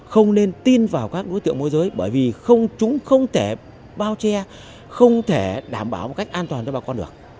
không nên tin vào các đối tượng môi giới bởi vì chúng không thể bao che không thể đảm bảo một cách an toàn cho bà con được